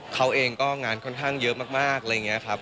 เขาเองก็งานค่อนข้างเยอะมากอะไรอย่างนี้ครับ